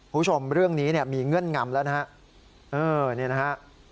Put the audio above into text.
ผู้ชมเรื่องนี้เนี่ยมีเงื่อนงำแล้วนะฮะเออเนี่ยนะฮะ